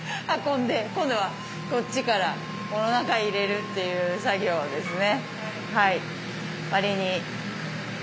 今度はこっちからこの中へ入れるっていう作業ですね。